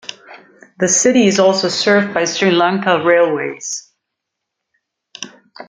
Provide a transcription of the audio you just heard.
The city is also served by Sri Lanka Railways.